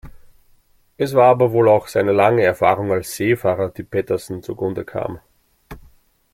Es war aber wohl auch seine lange Erfahrung als Seefahrer, die Petersen zugutekam.